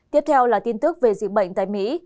tiếp theo là tin tức về dịch bệnh tại mỹ